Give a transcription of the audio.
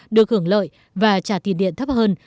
được hưởng lợi và trả tiền điện thấp hơn